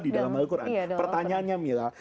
di dalam al quran pertanyaannya mila